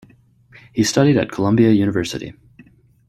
He studied at Columbia University.